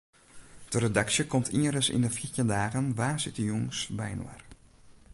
De redaksje komt ienris yn de fjirtjin dagen woansdeitejûns byinoar.